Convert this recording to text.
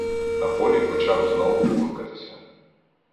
На полі почав знову буркатися.